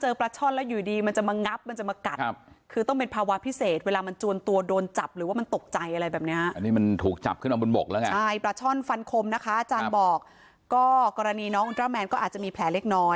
เจอประช่อนแล้วอยู่ดีมันจะมางับมันจะมากัด